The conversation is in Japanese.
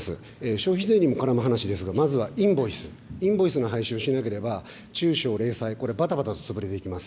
消費税に絡む話ですが、まずはインボイス、インボイスの廃止をしなければ、中小・零細、これ、ばたばたと潰れていきます。